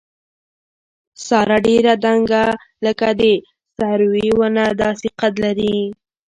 ساره ډېره دنګه لکه د سروې ونه داسې قد لري.